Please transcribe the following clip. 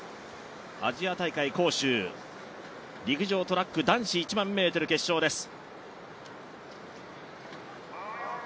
アジア大会杭州、陸上トラック、男子１００００ｍ決勝です。